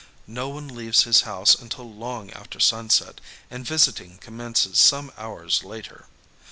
No one leaves his house until long after sunset, and visiting commences some hours later.